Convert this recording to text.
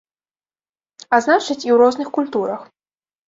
А значыць, і ў розных культурах.